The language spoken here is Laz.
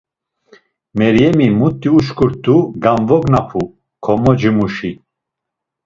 Meryemi, muti uşǩurt̆u gamvognapu komocimuşi.